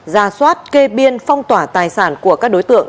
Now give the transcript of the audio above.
ra soát kê biên phong tỏa tài sản của các đối tượng